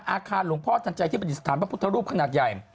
อาคารหลวงพ่อทันใจที่ปฏิสถานพระพุทธรูปขนาดใหญ่